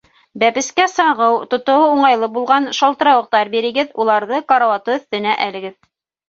Бәпескә сағыу, тотоуы уңайлы булған шалтырауыҡтар бирегеҙ, уларҙы карауаты өҫтөнә әлегеҙ.